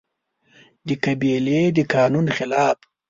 د قبيلې د قانون خلاف